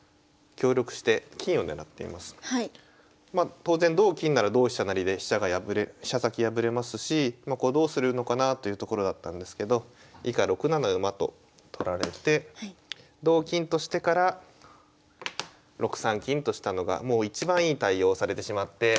当然同金なら同飛車成で飛車先破れますしどうするのかなというところだったんですけど以下６七馬と取られて同金としてから６三金としたのがもういちばんいい対応をされてしまって。